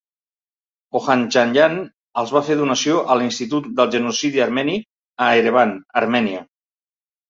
Ohandjanyan els va fer donació al Institut del Genocidi Armeni a Erevan, Armènia.